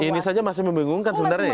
ini saja masih membingungkan sebenarnya